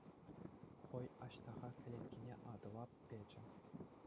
Хӑй Аҫтаха кӗлеткине Атӑла печӗ.